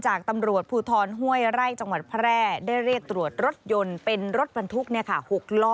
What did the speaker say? จากตำรวจภูทรห้วยไร่จังหวัดแพร่ได้เรียกตรวจรถยนต์เป็นรถบรรทุก๖ล้อ